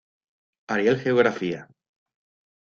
Ariel Geografía.